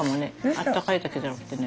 あったかいだけじゃなくてね。